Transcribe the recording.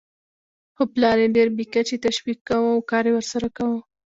خو پلار یې ډېر بې کچې تشویقاوو او کار یې ورسره کاوه.